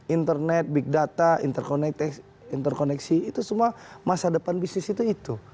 internet big data interkoneksi itu semua masa depan bisnis itu itu